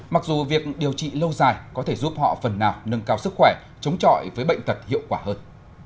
mặc dù việc điều trị lâu dài có thể giúp họ phần nào nâng cao sức khỏe chống chọi với bệnh tật hiệu quả hơn